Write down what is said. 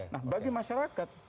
nah bagi masyarakat